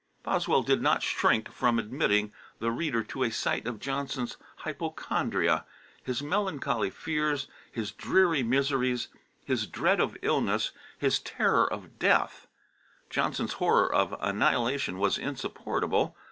Boswell did not shrink from admitting the reader to a sight of Johnson's hypochondria, his melancholy fears, his dreary miseries, his dread of illness, his terror of death. Johnson's horror of annihilation was insupportable.